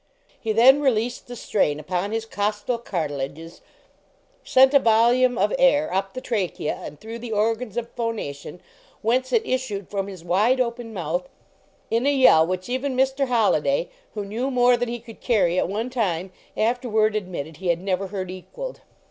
He then released the strain upon his costal cartilages, sent a volume of air up the trachea and through the organs of phonation, whence it issued from his wide open mouth in a yell which even Mr. Holliday, who knew more than he could carry at one time, afterward admitted he had never heard equaled.